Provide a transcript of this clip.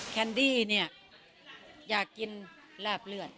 แคนดี้เนี่ยอยากกินลาบเลือด